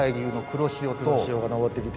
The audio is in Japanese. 黒潮が上ってきて。